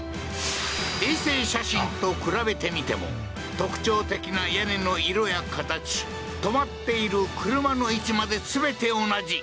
衛星写真と比べてみても特徴的な屋根の色や形、とまっている車の位置まですべて同じ。